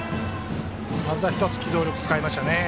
まずは１つ、機動力使いましたね。